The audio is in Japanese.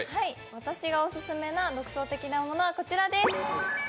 私がオススメな独創的なものはこちらです。